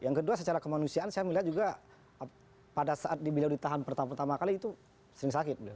yang kedua secara kemanusiaan saya melihat juga pada saat beliau ditahan pertama pertama kali itu sering sakit beliau